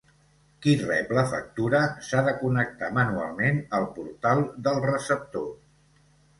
Qui rep la factura s'ha de connectar manualment al Portal del receptor.